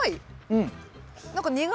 うん。